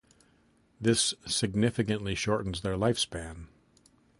This significantly shortens their life span.